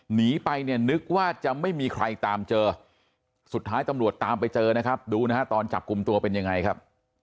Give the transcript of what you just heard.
หนีไปเนี่ยนึกว่าจะไม่มีใครตามเจอสุดท้ายตำรวจตามไปเจอนะครับดูนะฮะตอนจับกลุ่มตัวเป็นยังไงครับ